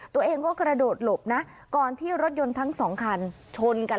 ตัวเองก็กระโดดหลบนะก่อนที่รถยนต์ทั้งสองคันชนกัน